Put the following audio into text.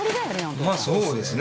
まあそうですね。